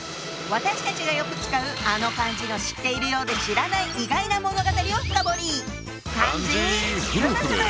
私たちがよく使うあの漢字の知ってるようで知らない意外な物語を深掘り！